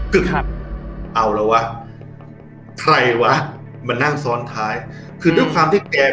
ึกครับเอาแล้ววะใครวะมานั่งซ้อนท้ายคือด้วยความที่แก